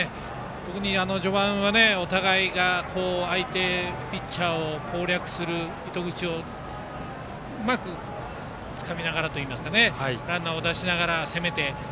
特に序盤はお互いが相手ピッチャーを攻略する糸口をうまくつかみながらといいますかランナーを出しながら攻めて。